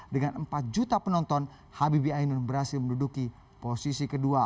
dengan empat juta penonton habibi ainun berhasil menduduki posisi kedua